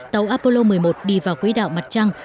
tàu apollo một mươi một đi vào quỹ đạo mặt trăng